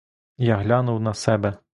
Я глянув на себе.